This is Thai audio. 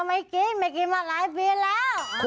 ไม่กินไม่กินมาหลายปีแล้ว